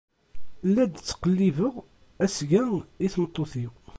La d-ttqellibeɣ asga i tmeṭṭut-iw.